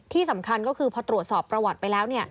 ที่สำคัญก็คือพอตรวจสอบประวัติไปแล้ว